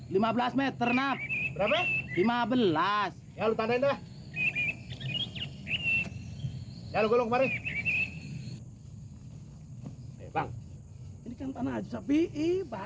saya punya stok harganya berapa a seribu dua ratus saya pesen lima boleh di rumah ya ya ya nggak papa